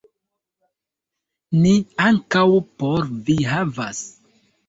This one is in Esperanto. Ni ankaŭ por vi havas